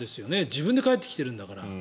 自分で帰ってきているんだから。